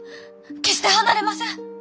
決して離れません！